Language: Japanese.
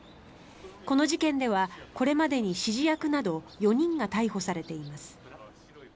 この事件ではこれまでに指示役など４人が逮捕されています。